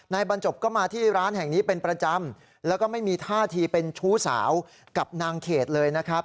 บรรจบก็มาที่ร้านแห่งนี้เป็นประจำแล้วก็ไม่มีท่าทีเป็นชู้สาวกับนางเขตเลยนะครับ